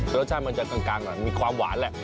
รสชาติมันจะกลางหน่อยมีความหวานแหละ